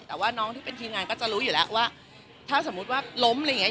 แต่ว่าน้องที่เป็นทีมงานก็จะรู้อยู่แล้วว่าถ้าสมมุติว่าล้มอะไรอย่างเงี้